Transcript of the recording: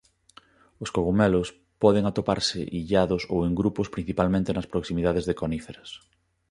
Os cogomelos poden atoparse illados ou en grupos principalmente nas proximidades de coníferas.